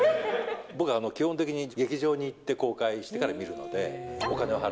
僕、基本的に劇場に行って公開してから見るので。